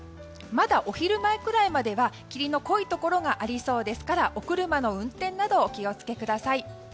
まだお昼前くらいまでは霧の濃いところがありそうですからお車の運転などお気を付けください。